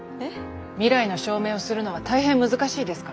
未来の証明をするのは大変難しいですから。